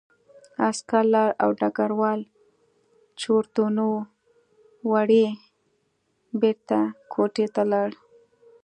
عسکر لاړ او ډګروال چورتونو وړی بېرته کوټې ته لاړ